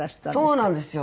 そうなんですよ。